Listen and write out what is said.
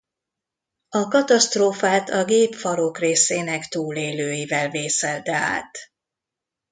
A katasztrófát a gép farokrészének túlélőivel vészelte át.